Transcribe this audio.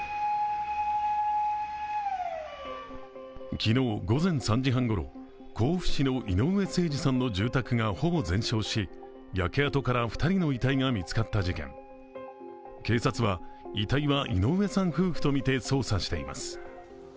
昨日午前３時半ごろ、甲府市の井上盛司さんの住宅がほぼ全焼し、焼け跡から２人の遺体が見つかった事件警察は、遺体は井上さん夫婦とみて捜査しています。